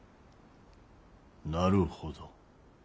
なるほど。